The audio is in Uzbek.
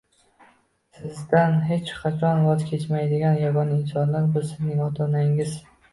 Sizdan xech qachon voz kechmaydigan yagona insonlar – bu sizning ota-onangiz.